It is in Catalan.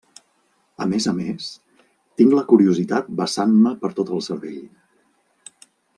A més a més, tinc la curiositat vessant-me per tot el cervell.